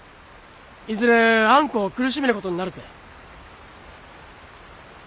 いずれあんこを苦しめることになるて。